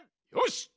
よし！